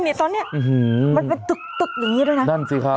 มันเป็นตึกอย่างนี้ด้วยนะ